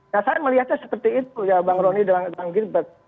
nah saya melihatnya seperti itu ya bang rony dan bang gilbert